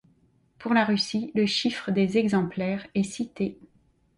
Pour la Russie, le chiffre de exemplaires est cité.